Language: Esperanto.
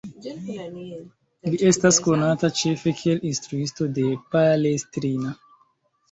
Li estas konata ĉefe kiel instruisto de Palestrina.